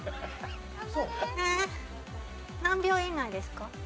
えー？何秒以内ですか？